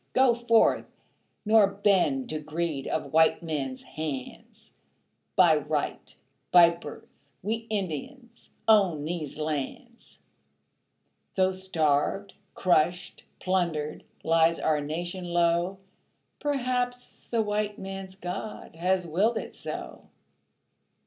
Go forth, nor bend to greed of white men's hands, By right, by birth we Indians own these lands, Though starved, crushed, plundered, lies our nation low... Perhaps the white man's God has willed it so.